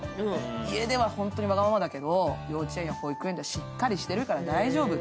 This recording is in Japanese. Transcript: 家では本当にわがままだけど幼稚園や保育園ではしっかりしてるから大丈夫って。